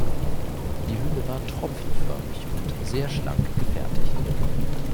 Die Hülle war tropfenförmig und sehr schlank gefertigt.